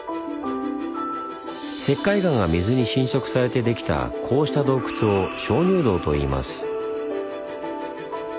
石灰岩が水に侵食されてできたこうした洞窟を「鍾乳洞」といいます。